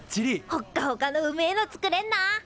ほっかほかのうめえの作れんな！